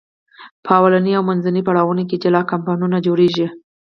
په لومړنیو او منځنیو پړاوونو کې جلا کمپاینونه جوړیږي.